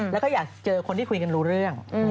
แล้วก็อยากเจอคนที่คุยกันรู้เรื่อง